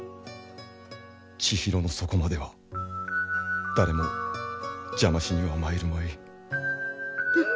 千尋の底までは誰も邪魔しにはまいるまい。